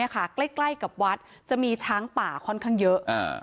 ใกล้กับวัดจะมีช้างป่าค่อนข้างเยอะ